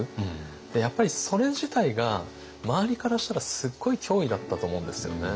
でやっぱりそれ自体が周りからしたらすっごい脅威だったと思うんですよね。